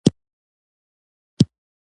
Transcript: په ټولو علمي روایتونو کې دا ثابته ده.